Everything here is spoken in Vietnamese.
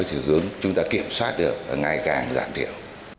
thứ hướng chúng ta kiểm soát được ngày càng giảm thiệu